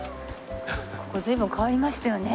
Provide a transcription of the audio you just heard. ここ随分変わりましたよね。